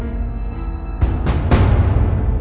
ที่สุดท้าย